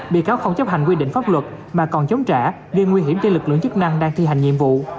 bị cáo không chấp hành quy định pháp luật mà còn chống trả gây nguy hiểm cho lực lượng chức năng đang thi hành nhiệm vụ